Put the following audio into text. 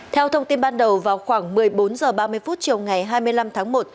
theo thông tin ban đầu vào khoảng một mươi bốn h ba mươi chiều ngày hai mươi năm tháng một